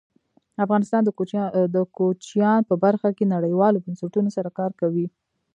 افغانستان د کوچیان په برخه کې نړیوالو بنسټونو سره کار کوي.